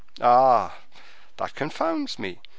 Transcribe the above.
"Ah! that confounds me.